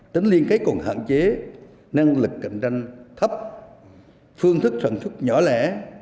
tính liên kết còn hạn chế năng lực cạnh tranh thấp phương thức sản xuất nhỏ lẻ